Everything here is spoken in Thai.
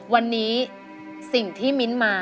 วันนี้สิ่งที่มิ้นท์มา